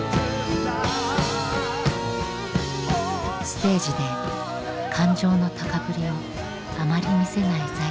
ステージで感情の高ぶりをあまり見せない財津さん。